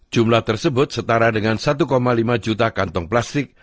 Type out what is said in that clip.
jumlah tersebut setara dengan satu lima juta kantong plastik